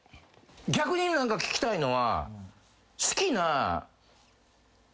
逆に何か聞きたいのは。